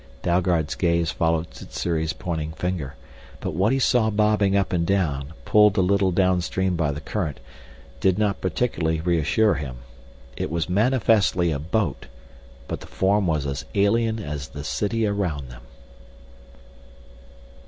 Dalgard's gaze followed Sssuri's pointing finger. But what he saw bobbing up and down, pulled a little downstream by the current, did not particularly reassure him. It was manifestly a boat, but the form was as alien as the city around them.